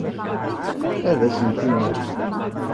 Ad asent-iniɣ.